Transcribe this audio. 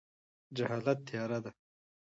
جهالت تیاره ده.